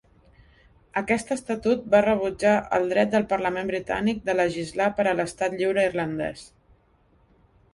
Aquest estatut va rebutjar el dret del Parlament Britànic de legislar per a l'Estat Lliure Irlandès.